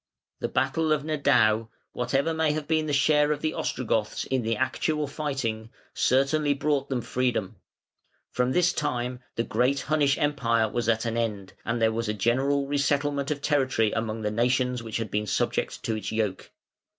The battle of Nedao, whatever may have been the share of the Ostrogoths in the actual fighting, certainly brought them freedom. From this time the great Hunnish Empire was at an end, and there was a general resettlement of territory among the nations which had been subject to its yoke.